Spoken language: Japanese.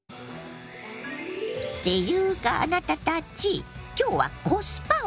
ていうかあなたたち今日は「コスパ」おかずよ。